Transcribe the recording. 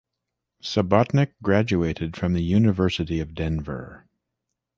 Subotnick graduated from the University of Denver.